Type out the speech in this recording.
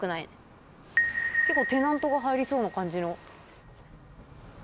テナントが入りそうな感じの。